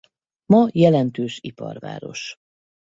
Ma jelentős iparváros.